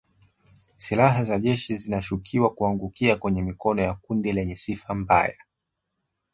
Silaha za jeshi zinashukiwa kuangukia kwenye mikono ya kundi lenye sifa mbaya